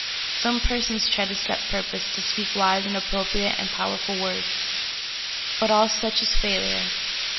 Some persons try of set purpose to speak wise and appropriate and powerful words. But all such is a failure.